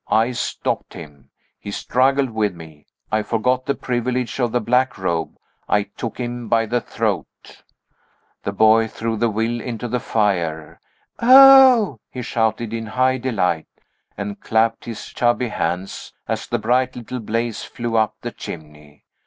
I stopped him. He struggled with me. I forgot the privilege of the black robe. I took him by the throat. The boy threw the will into the fire. "Oh!" he shouted, in high delight, and clapped his chubby hands as the bright little blaze flew up the chimney.